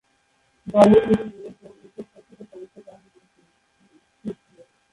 দলে তিনি মূলতঃ উইকেট-রক্ষকের দায়িত্ব পালন করছেন।